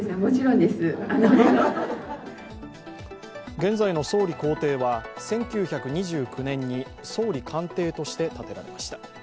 現在の総理公邸は１９２９年に総理官邸として建てられました。